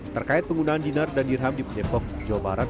terkait penggunaan dinar dan dirham di depok jawa barat